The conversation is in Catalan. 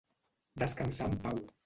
Descansar en pau.